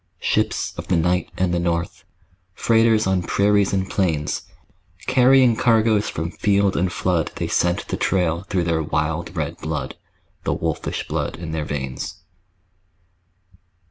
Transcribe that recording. Ships of the night and the north, Freighters on prairies and plains, Carrying cargoes from field and flood They scent the trail through their wild red blood, The wolfish blood in their veins.